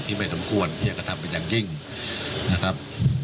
ที่ไม่โดมกวนที่มีกระทำอย่างยิ่งนะครับ